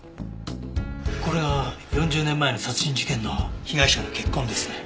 これが４０年前の殺人事件の被害者の血痕ですね。